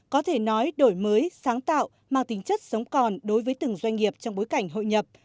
có thể nói đổi mới sáng tạo mang tính chất sống còn đối với từng doanh nghiệp trong bối cảnh hội nhập